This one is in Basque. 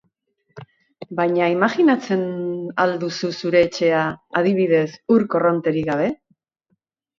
Baina imajinatzen al duzu zure etxea, adibidez, ur korronterik gabe?